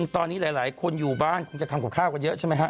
ตอนนี้หลายคนอยู่บ้านคงจะทำกับข้าวกันเยอะใช่ไหมฮะ